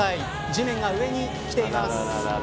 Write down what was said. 地面が上にきています。